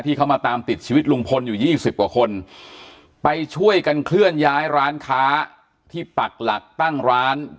เข้ามาตามติดชีวิตลุงพลอยู่ยี่สิบกว่าคนไปช่วยกันเคลื่อนย้ายร้านค้าที่ปักหลักตั้งร้าน